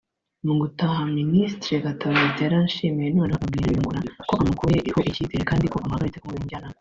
Mu gutaha Ministre Gatabazi yaranshimiye noneho abwira Nyungura ko amukuyeho ikizere kandi ko amuhagaritse kumubera umujyanama